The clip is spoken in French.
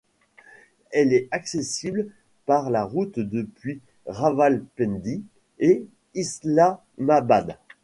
Elle est accessible par la route depuis Rawalpindi et Islamabad.